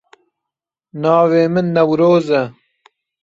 Navê min Newroz e.